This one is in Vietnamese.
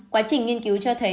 quá trình nghiên cứu cho thấy